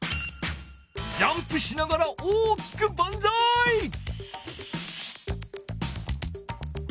ジャンプしながら大きくバンザイ！